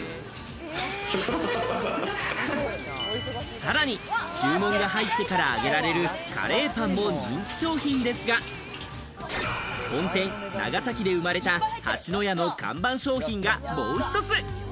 さらに注文が入ってから揚げられるカレーパンも人気商品ですが、本店・長崎で生まれた蜂の家の看板商品がもう１つ。